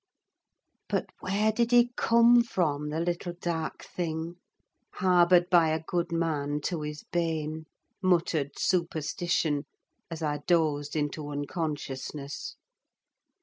"But where did he come from, the little dark thing, harboured by a good man to his bane?" muttered Superstition, as I dozed into unconsciousness.